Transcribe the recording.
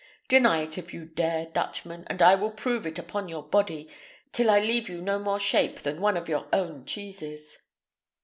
Deny it if you dare, Dutchman, and I will prove it upon your body, till I leave you no more shape than one of your own cheeses."